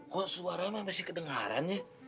kok suara masih kedengaran ya